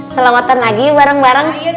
selawatan lagi bareng bareng